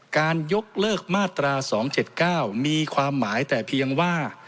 การยกเลิกมาตรา๒๗๙มีความหมายแต่เพียงว่า